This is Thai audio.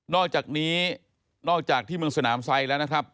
อกจากนี้นอกจากที่เมืองสนามไซด์แล้วนะครับ